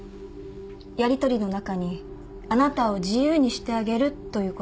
やりとりの中に「あなたを自由にしてあげる」という言葉が。